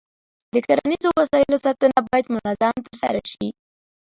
د کرنیزو وسایلو ساتنه باید منظم ترسره شي.